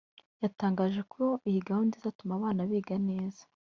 yatangaje ko iyi gahunda izatuma abana biga neza